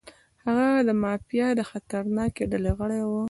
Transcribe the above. هغه د مافیا د خطرناکې ډلې غړی و.